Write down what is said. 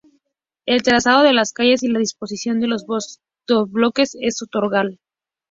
El trazado de las calles y la disposición de los bloques es ortogonal.